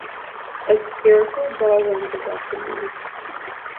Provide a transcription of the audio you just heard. A spherical ball lens is often used.